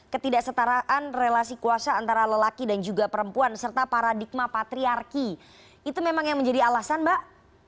ketidaksetaraan relasi kuasa antara lelaki dan juga perempuan serta paradigma patriarki itu memang yang menjadi alasan mbak